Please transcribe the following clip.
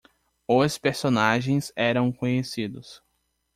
Os personagens eram conhecidos.